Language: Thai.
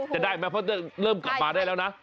เพราะเริ่มกลับมาได้แล้วนะ